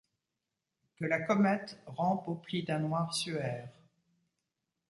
Que la comète rampe aux plis d’un noir suaire